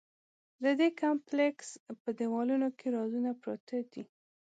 د دې کمپلېکس په دیوالونو کې رازونه پراته دي.